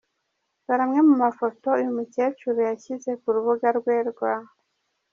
Dore amwe mu mafoto uyu mukecuru yashyize ku rubuga rwe rwa.